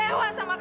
aku mau ke kantor